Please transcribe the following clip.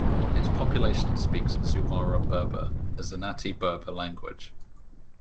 Its population speaks Zuwara Berber, a Zenati Berber language.